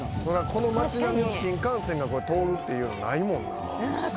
「この町並みを新幹線が通るっていうのないもんな」